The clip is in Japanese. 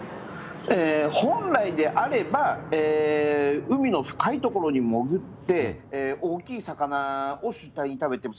本来であれば、海の深い所に潜って、大きい魚を主体に食べてます。